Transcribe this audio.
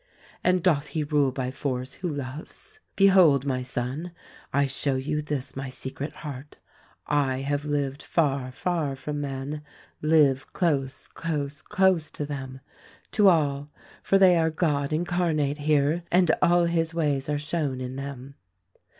And doth he rule by force who loves? "Behold, my son, I show you this my secret heart. I have lived far, far from men — live close, close, close to them 240 THE RECORDING ANGEL — to all; for they are God incarnate here, and all His ways are shown in them.